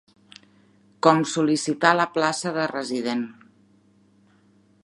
Com sol·licitar la plaça de resident.